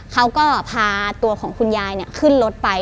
เขาก็พาตัวของคุณยายขึ้นรถไป